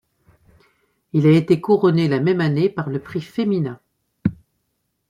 Il a été couronné la même année par le Prix Femina.